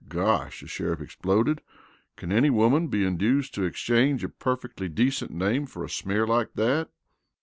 "Gosh!" the sheriff exploded. "Can any woman be induced to exchange a perfectly decent name for a smear like that?"